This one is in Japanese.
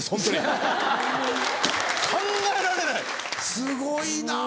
すごいな。